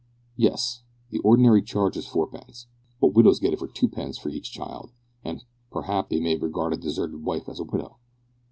"Yes, the ordinary charge is fourpence, but widows get it for twopence for each child, and, perhaps, they may regard a deserted wife as a widow!